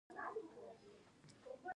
په یوه دښته کې غلو په کاروان برید وکړ.